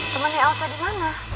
temennya elsa dimana